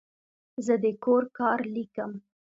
زه د کور کار لیکم.